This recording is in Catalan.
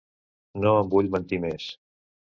No em vull mentir més.